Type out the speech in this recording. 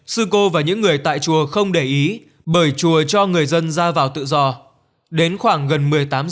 sư cô và những người tại chùa không để ý bởi chùa cho người dân ra vào tự do đến khoảng gần một mươi tám h